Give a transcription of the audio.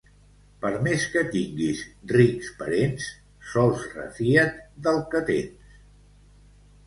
Per més que tinguis rics parents, sols refia't del que tens.